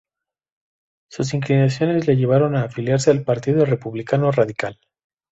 Sus inclinaciones le llevaron a afiliarse al Partido Republicano Radical.